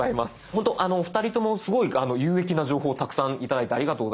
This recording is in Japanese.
ほんとお二人ともすごい有益な情報をたくさん頂いてありがとうございます。